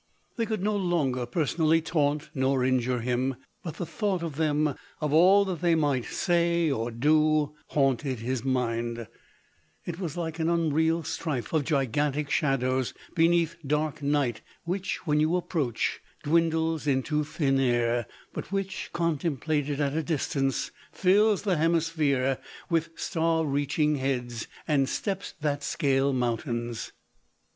They could no longer per sonally taunt nor injure him ; but the thought of them, of all that they might say or do, haunted his mind; it was like an unreal strife of gigantic shadows beneath dark night, which, when you approach, dwindles into thin air, but which, con templated at a distance, fills the hemisphere with star reaching heads, and steps that scale mountains.